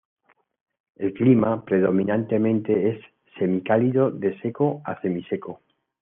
El clima predominante es semicálido de seco a semiseco.